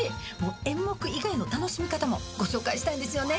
演目以外の楽しみ方もご紹介したいんですよね。